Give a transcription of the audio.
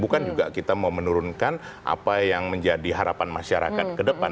bukan juga kita mau menurunkan apa yang menjadi harapan masyarakat ke depan